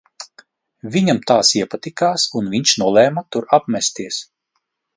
Viņam tās iepatikās un viņš nolēma tur apmesties.